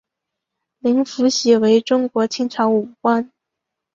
林福喜为中国清朝武官。